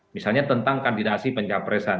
misalnya tentang kandidasi pencapresan